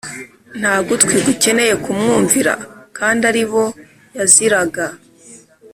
ntagutwi gukeneye kumwumvira kandi aribo yaziraga